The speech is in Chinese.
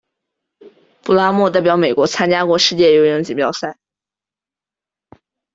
普拉默代表美国参加过世界游泳锦标赛。